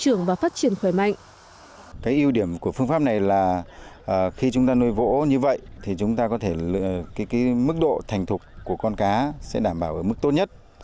ưu điểm của phương pháp này là khi chúng ta nuôi vỗ như vậy thì mức độ thành thục của con cá sẽ đảm bảo ở mức tốt nhất